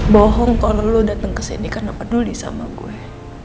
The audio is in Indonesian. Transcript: bohong kalau lo dateng kesini karena peduli sama gue